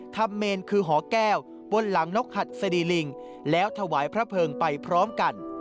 เมนคือหอแก้วบนหลังนกหัดสดีลิงแล้วถวายพระเพิงไปพร้อมกัน